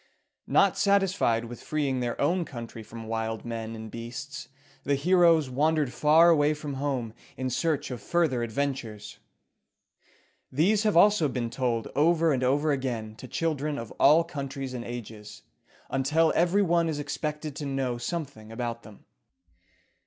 Not satisfied with freeing their own country from wild men and beasts, the heroes wandered far away from home in search of further adventures. These have also been told over and over again to children of all countries and ages, until every one is expected to know something about them.